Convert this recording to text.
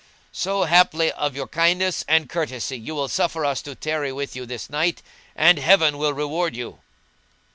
So haply of your kindness and courtesy you will suffer us to tarry with you this night, and Heaven will reward you!"